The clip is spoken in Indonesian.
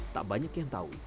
tak banyak yang tahu